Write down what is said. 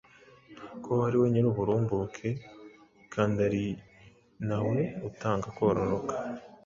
ko ariwe nyiruburumbuke ari nawe utanga kororoka